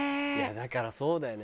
だからそうだよね。